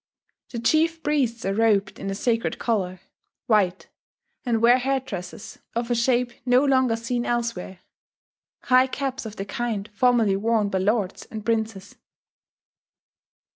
The chief priests are robed in the sacred colour, white, and wear headdresses of a shape no longer seen elsewhere: high caps of the kind formerly worn by lords and princes.